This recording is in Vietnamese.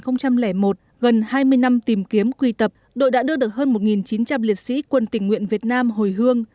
năm hai nghìn một gần hai mươi năm tìm kiếm quy tập đội đã đưa được hơn một chín trăm linh liệt sĩ quân tình nguyện việt nam hồi hương